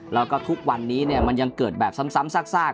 แล้วก็ทุกวันนี้มันยังเกิดแบบซ้ำซาก